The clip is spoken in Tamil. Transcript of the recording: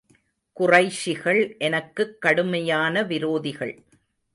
குறைஷிகள் எனக்குக் கடுமையான விரோதிகள்.